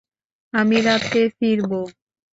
আমি রাতে ফিরবো।